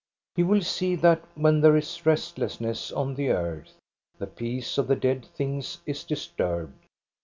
He will see that when there is restlessness on the earth, the peace of the dead things is disturbed.